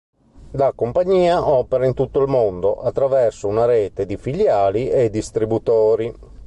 La compagnia opera in tutto il mondo attraverso una rete di filiali e distributori.